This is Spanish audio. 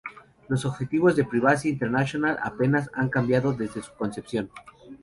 Los objetivos de Privacy International apenas han cambiado desde su concepción.